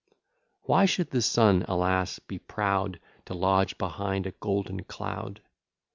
Why should the Sun, alas! be proud To lodge behind a golden cloud?